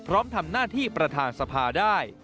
พร้อมทำหน้าที่ประธานสภาได้